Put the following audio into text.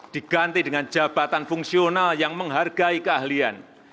diganti dengan jabatan fungsional yang menghargai keahlian